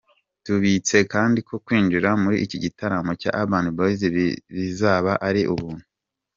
Tubibutse kandi ko kwinjira muri iki gitaramo cya Urban Boys bizaba ari ubuntu.